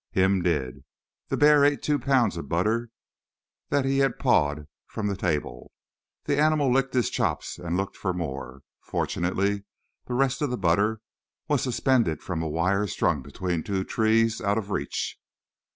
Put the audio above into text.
Him did. The bear ate two pounds of butter that he had pawed from the table. The animal licked his chops and looked for more. Fortunately the rest of the butter was suspend from a wire strung between two trees out of reach.